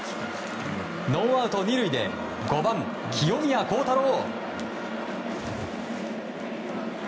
ノーアウト２塁で５番、清宮幸太郎。